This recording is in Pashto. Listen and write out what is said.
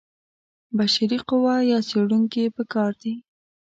بشري قوه یا څېړونکي په کار دي.